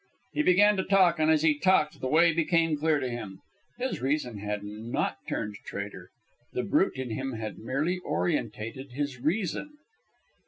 He began to talk, and as he talked the way became clear to him. His reason had not turned traitor. The brute in him had merely orientated his reason.